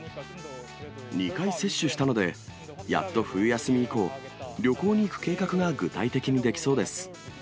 ２回接種したので、やっと冬休み以降、旅行に行く計画が具体的にできそうです。